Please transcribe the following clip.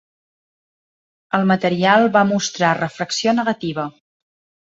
El material va mostrar refracció negativa.